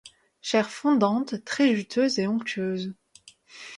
Chair fondante, très juteuse et onctueuse.